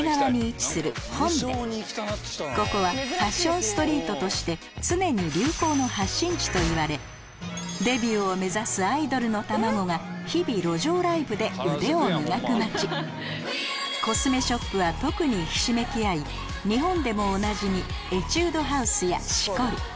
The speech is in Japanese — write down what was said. ここはファッションストリートとして常に流行の発信地といわれデビューを目指すアイドルの卵が日々路上ライブで腕を磨く街コスメショップは特にひしめき合い日本でもおなじみＥＴＵＤＥＨＯＵＳＥやＣＨＩＣＯＲ